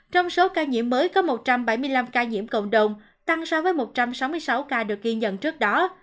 trong số ca nhiễm mới có một trăm bảy mươi năm ca nhiễm cộng đồng tăng so với một trăm sáu mươi sáu ca được ghi nhận trước đó